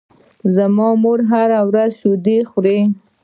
زما مور هره ورځ شیدې خوري.